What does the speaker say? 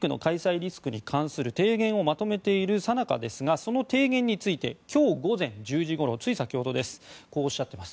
リスクに関する提言をまとめているさなかですがその提言について今日午前１０時ごろつい先ほどこうおっしゃっています。